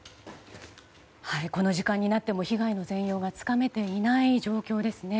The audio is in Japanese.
この時間になっても被害の全容がつかめていない状況ですね。